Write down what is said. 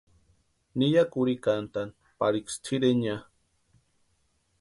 Ni ya kurhikantʼani pariksï tʼireni ya.